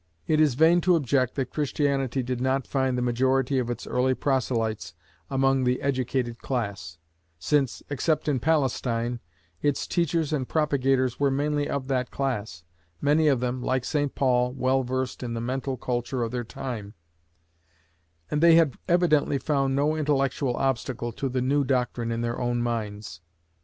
It is vain to object that Christianity did not find the majority of its early proselytes among the educated class: since, except in Palestine, its teachers and propagators were mainly of that class many of them, like St Paul, well versed in the mental culture of their time; and they had evidently found no intellectual obstacle to the new doctrine in their own minds.